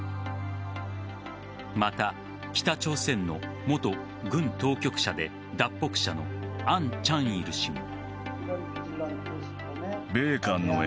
また北朝鮮の元軍当局者で脱北者のアン・チャンイル氏も。